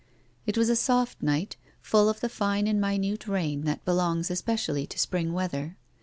It was a soft night, full of the fine and minute rain that belongs especially to spring weather.